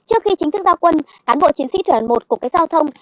trước khi chính thức giao quân cán bộ chiến sĩ thuyền một cục cái giao thông